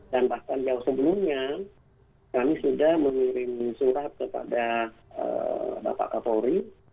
dan bahkan jauh sebelumnya kami sudah mengirim surat kepada bapak kapolri